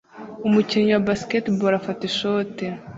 Umukinnyi wa basketball afata ishoti